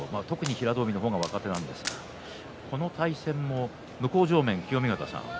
平戸海の方が若手なんですが向正面清見潟さん